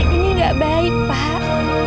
ini gak baik pak